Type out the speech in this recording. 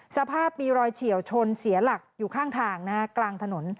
สภาพมีรอยเฉียวชนเสียหลักอยู่ข้างทางนะฮะกลางถนน